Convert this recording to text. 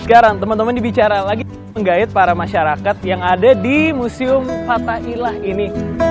sekarang teman teman dibicara lagi menggait para masyarakat yang ada di museum fathailah ini